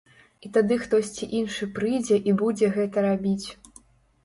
І тады хтосьці іншы прыйдзе і будзе гэта рабіць.